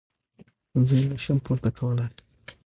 زه يې نه شم پورته کولاى.